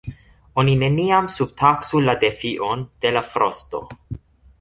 Oni neniam subtaksu la defion de la frosto!